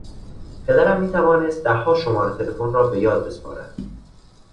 پدرم میتوانست دهها شماره تلفن را به یاد بسپارد.